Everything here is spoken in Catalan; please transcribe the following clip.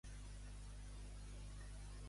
A favor de quina coalició està Montiel?